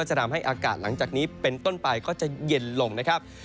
จะทำให้อากาศหลังจากนี้เป็นต้นไปก็จะเย็นลงนะครับ